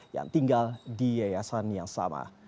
yang tinggal di yayasan yang sama